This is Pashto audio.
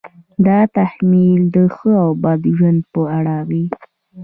دا تحمیل د ښه او بد ژوند په اړه وي.